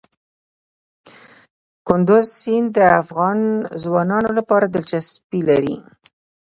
کندز سیند د افغان ځوانانو لپاره دلچسپي لري.